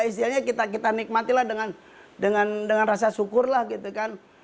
istilahnya kita nikmatilah dengan rasa syukur lah gitu kan